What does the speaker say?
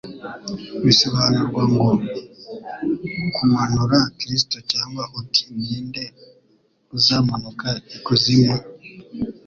bisobanurwa ngo kumanura Kristo cyangwa uti ni nde uzamanuka ikuzimu?